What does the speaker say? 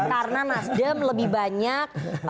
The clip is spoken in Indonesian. karena nasdem lebih banyak